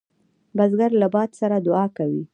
بزګر له باد سره دعا کوي